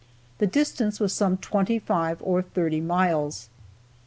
The distance was some twenty five or thirty miles.